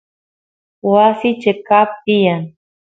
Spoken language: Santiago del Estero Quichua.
wasiy cheqap tiyan